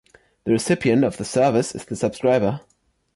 The recipient of the service is the subscriber.